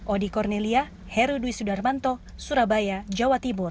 odi kornelia herudwi sudarmanto surabaya jawa timur